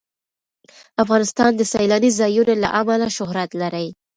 افغانستان د سیلانی ځایونه له امله شهرت لري.